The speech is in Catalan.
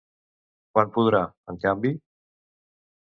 Quan podrà, en canvi?